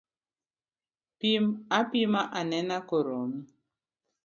Pim apima anena koromi.